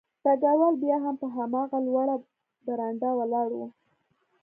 ډګروال بیا هم په هماغه لوړه برنډه ولاړ و